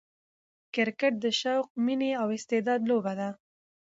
کرکټ د شوق، میني او استعداد لوبه ده.